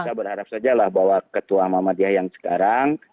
kita berharap sajalah bahwa ketua muhammadiyah yang sekarang